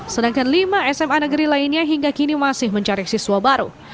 sedangkan lima sma negeri lainnya hingga kini masih mencari siswa baru